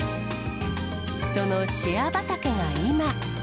そのシェア畑が今。